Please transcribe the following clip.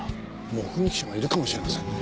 目撃者がいるかもしれませんね。